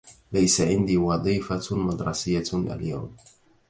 ليس عندي وظيفة مدرسية اليوم.